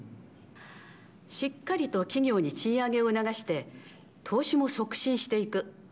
しっかりと企業に賃上げを促して、投資も促進していく。